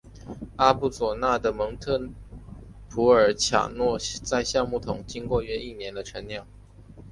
阿布鲁佐的蒙特普尔恰诺在橡木桶经过约一年的陈酿。